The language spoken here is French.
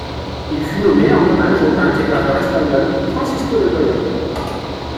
Il fut nommé en hommage au peintre et graveur espagnol, Francisco de Goya.